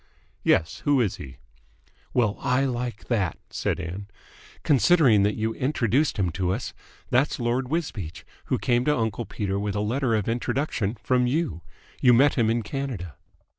"Yes. Who is he?" "Well, I like that!" said Ann. "Considering that you introduced him to us! That's Lord Wisbeach, who came to uncle Peter with a letter of introduction from you. You met him in Canada."